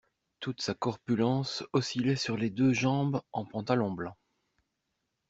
Toute sa corpulence oscillait sur les deux jambes en pantalon blanc.